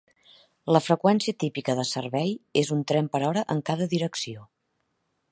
La freqüència típica de servei és un tren per hora en cada direcció.